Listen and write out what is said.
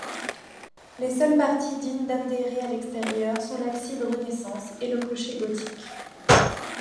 Les seules parties dignes d'intérêt à l'extérieur sont l'abside Renaissance et le clocher gothique.